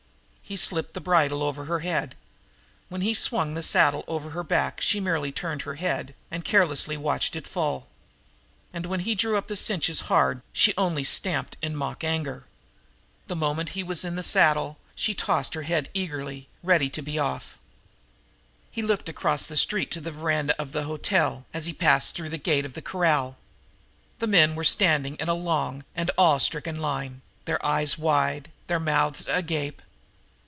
He slipped the bridle over her head. When he swung the saddle over her back she merely turned her head and carelessly watched it fall. And when he drew up the cinches hard, she only stamped in mock anger. The moment he was in the saddle she tossed her head eagerly, ready to be off. He looked across the street to the veranda of the hotel, as he passed through the gate of the corral. The men were standing in a long and awe stricken line, their eyes wide, their mouths agape.